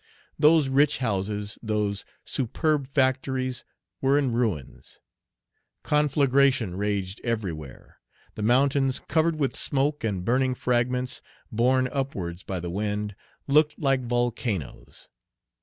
Those rich houses, those superb factories, were in ruins. Conflagration raged everywhere. The mountains, covered with smoke and burning fragments, borne upwards by the wind, looked like volcanoes.